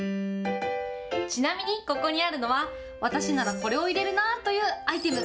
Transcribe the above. ちなみに、ここにあるのは私ならこれを入れるなあというアイテム。